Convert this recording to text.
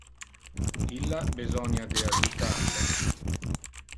Illa besonia de adjutar le.